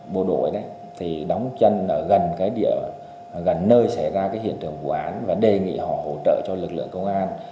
bộ đội đóng chân ở gần nơi xảy ra hiện trường của án và đề nghị họ hỗ trợ cho lực lượng công an